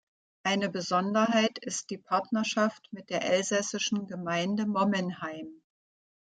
Eine Besonderheit ist die Partnerschaft mit der elsässischen Gemeinde Mommenheim.